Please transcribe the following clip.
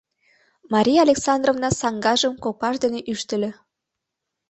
Мария Александровна саҥгажым копаж дене ӱштыльӧ.